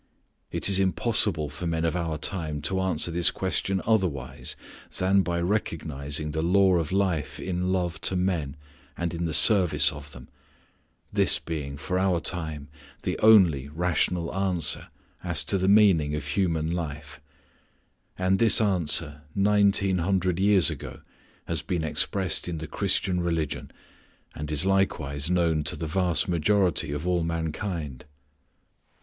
It is impossible for men of our time to answer this question otherwise than by recognizing the law of life in love to men and in the service of them, this being for our time the only rational answer as to the meaning of human life; and this answer nineteen hundred years ago has been expressed in the Christian religion and is likewise known to the vast majority of all mankind.